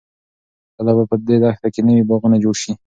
کله به په دې دښته کې نوې باغونه جوړ شي؟